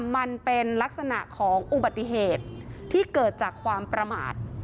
มันเป็นลักษณะของอุบัติเหตุที่เกิดจากความประมาท